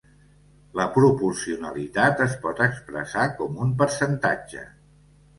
La proporcionalitat es pot expressar com un percentatge.